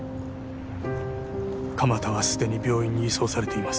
鎌田はすでに病院に移送されています